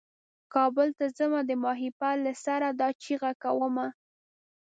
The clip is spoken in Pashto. کابل ته ځمه د ماهیپر له سره دا چیغه کومه.